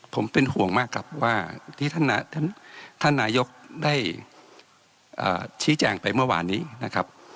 ผมเป็นห่วงมากครับว่าที่ท่านนายกได้ชี้แจงไปเมื่อวานนี้นะครับ